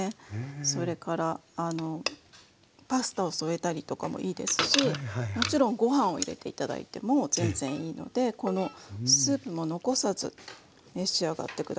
それからパスタを添えたりとかもいいですしもちろんごはんを入れて頂いても全然いいのでこのスープも残さず召し上がって下さい。